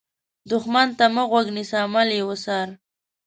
دښمن ته مه غوږ نیسه، عمل یې وڅار